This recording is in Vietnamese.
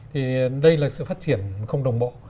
thì đây là sự phát triển không đồng bộ